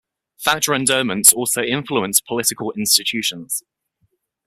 Factor endowments also influenced political institutions.